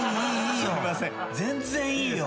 全然いいよ。